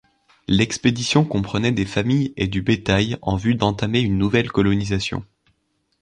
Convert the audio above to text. L’expédition comprenait des familles et du bétail en vue d’entamer une nouvelle colonisation.